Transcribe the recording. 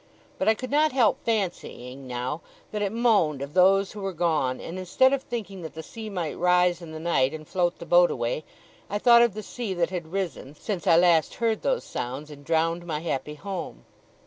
But I could not help fancying, now, that it moaned of those who were gone; and instead of thinking that the sea might rise in the night and float the boat away, I thought of the sea that had risen, since I last heard those sounds, and drowned my happy home.